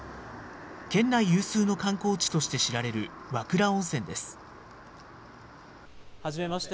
県内有数の観光地として知られる和倉温泉です。